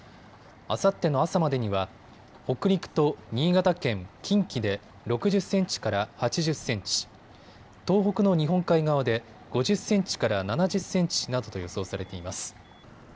あさっての朝までには北陸と新潟県、近畿で６０センチから８０センチ、東北の日本海側で５０センチから７０センチなどと予想されています。